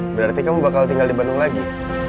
berarti kamu bakal tinggal di bandung lagi